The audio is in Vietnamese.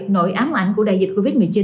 nội ám ảnh của đại dịch covid một mươi chín